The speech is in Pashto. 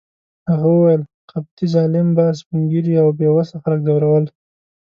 هغه وویل: قبطي ظالم به سپین ږیري او بې وسه خلک ځورول.